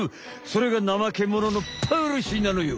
それがナマケモノのポリシーなのよ！